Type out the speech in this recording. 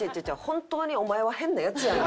本当にお前は変なヤツやねん。